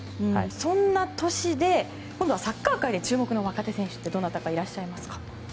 そんな年で今度はサッカー界で注目の若手選手っていらっしゃいますか？